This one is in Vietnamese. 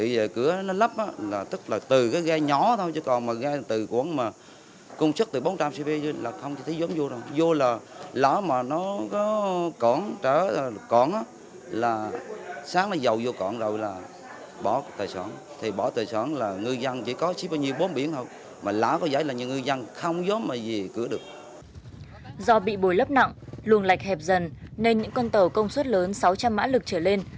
do bị bồi lấp nặng luồng lạch hẹp dần nên những con tàu công suất lớn sáu trăm linh mã lực trở lên